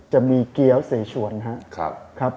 จะมีเกี้ยวเสชวนครับ